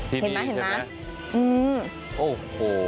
เห็นไหม